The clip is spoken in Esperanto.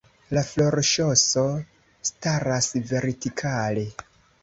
La florŝoso staras vertikale.